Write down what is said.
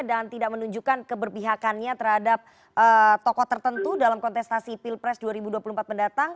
dan tidak menunjukkan keberpihakannya terhadap tokoh tertentu dalam kontestasi pilpres dua ribu dua puluh empat mendatang